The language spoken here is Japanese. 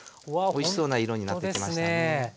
おいしそうな色になってきました。